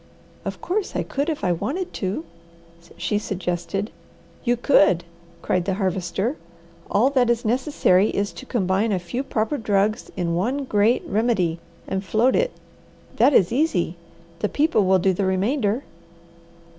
"Of course I could if I wanted to!" she suggested. "You could!" cried the Harvester. "All that is necessary is to combine a few proper drugs in one great remedy and float it. That is easy! The people will do the remainder."